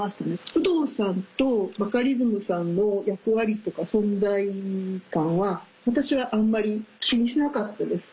有働さんとバカリズムさんの役割とか存在感は私はあんまり気にしなかったです。